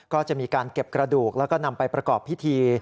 ก็จะมีการเก็บกระดูกแล้วก็นำไปประกอบพิธี